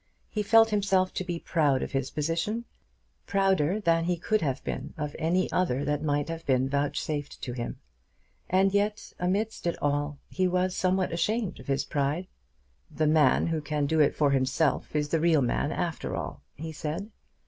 He felt himself to be proud of his position, prouder than he could have been of any other that might have been vouchsafed to him. And yet amidst it all he was somewhat ashamed of his pride. "The man who can do it for himself is the real man after all," he said.